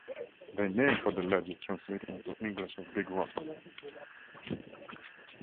Their name for the ledges translated into English as "Big Rocks".